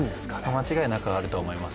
間違いなくあると思います。